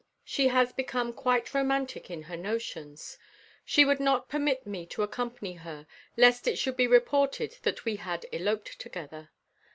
She has become quite romantic in her notions. She would not permit me to accompany her, lest it should be reported that we had eloped together.